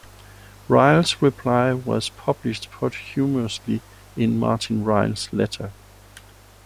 Ryle's reply was published posthumously in "Martin Ryle's Letter".